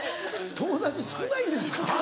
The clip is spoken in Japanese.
友達少ないんですか？